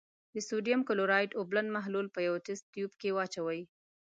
د سوډیم کلورایډ اوبلن محلول په یوه تست تیوب کې واچوئ.